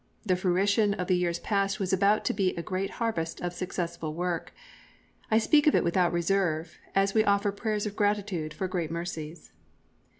The fruition of the years past was about to be a great harvest of successful work. I speak of it without reserve, as we offer prayers of gratitude for great mercies.